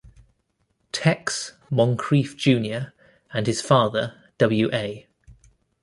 "Tex" Moncrief Junior and his father W. A.